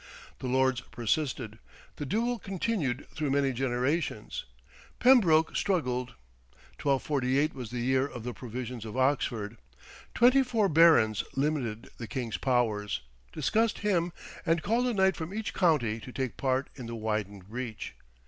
The Lords persisted. The duel continued through many generations. Pembroke struggled. 1248 was the year of "the provisions of Oxford." Twenty four barons limited the king's powers, discussed him, and called a knight from each county to take part in the widened breach.